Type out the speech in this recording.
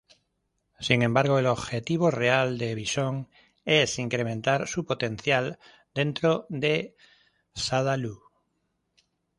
Sin embargo, el objetivo real de Bison es incrementar su potencial dentro de Shadaloo.